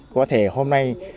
có thể hôm nay